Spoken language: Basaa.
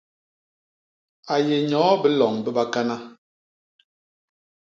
A yé nyoo biloñ bi bakana.